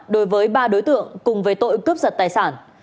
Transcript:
đối với ba đối tượng cùng về tội cướp giật tài sản